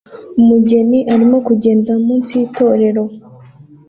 Umugeni arimo kugenda munsi y'itorero